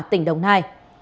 tỉnh đồng nai